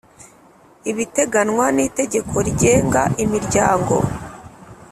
ibiteganwa n Itegeko rigenga imiryango